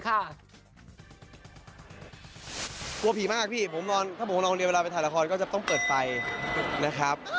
กลัวผีมากพี่ผมนอนถ้าผมนอนคนเดียวเวลาไปถ่ายละครก็จะต้องเปิดไฟนะครับ